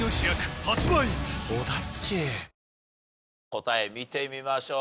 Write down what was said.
答え見てみましょう。